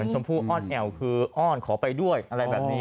ชมพู่อ้อนแอวคืออ้อนขอไปด้วยอะไรแบบนี้